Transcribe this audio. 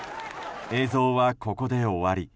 映像はここで終わり。